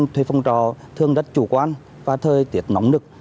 thời phong trò thường rất chủ quan và thời tiết nóng nực